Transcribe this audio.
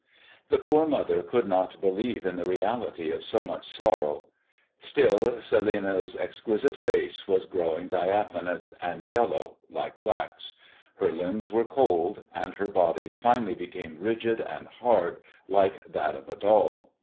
The poor mother could not believe in the reality of so much sorrow; still Celinina's exquisite face was growing diaphanous and yellow, like wax; her limbs were cold; and her body finally became rigid and hard like that of a doll.